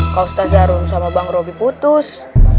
kau setasiarun sama bang robi putus